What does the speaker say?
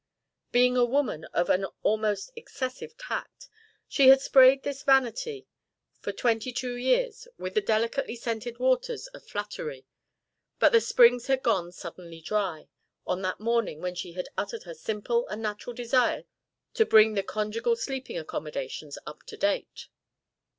Being a woman of an almost excessive tact, she had sprayed this vanity for twenty two years with the delicately scented waters of flattery, but the springs had gone suddenly dry on that morning when she had uttered her simple and natural desire to bring the conjugal sleeping accommodations up to date.